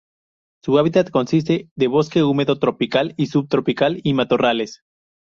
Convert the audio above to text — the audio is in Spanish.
Su hábitat consiste de bosque húmedo tropical y subtropical, y matorrales.